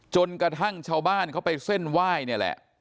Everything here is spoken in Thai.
จนกระทั่งชาวบ้านเขาไปเส้นไหว้นี่แหละ